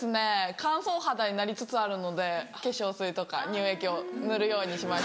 乾燥肌になりつつあるので化粧水とか乳液を塗るようにしました。